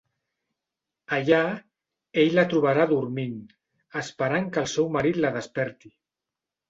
Allà, ell la trobarà dormint, esperant que el seu marit la desperti.